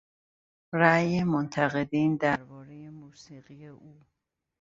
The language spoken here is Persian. رای منتقدین دربارهی موسیقی او